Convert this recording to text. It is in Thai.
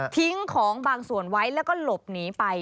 ทิ้งของบางส่วนไว้แล้วก็หลบหนีไป